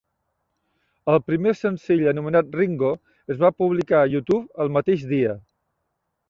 El primer senzill, anomenat "Ringo", es va publicar a YouTube el mateix dia.